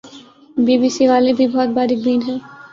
be B C والے بھی بہت باریک بین ہیں